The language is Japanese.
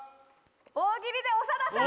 大喜利で長田さん。